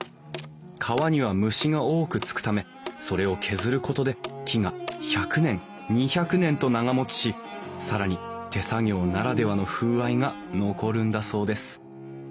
皮には虫が多くつくためそれを削ることで木が１００年２００年と長もちし更に手作業ならではの風合いが残るんだそうです